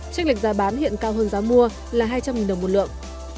trênh lệnh giá bán hiện cao hơn giá mua là hai trăm linh đồng một lượng